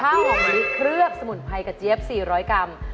ข้าวห่อมะลิเคลือบสมุนไพรกระเจี๊ยบ๔๐๐กรัม